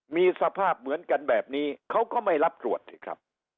มีสภาพเหมือนกันแบบนี้เขาก็ไม่รับตรวจสิครับ